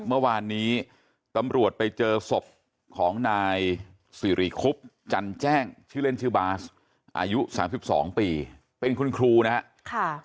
เมื่อวานนี้ตำรวจไปเจอศพของนายสิริคุบจันแจ้งชื่อเล่นชื่อบาสอายุ๓๒ปีเป็นคุณครูนะครับ